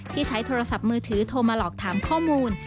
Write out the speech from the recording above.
ที่ใช้โทรศัพท์มือถือโทรมาหลอกถามข้อมูล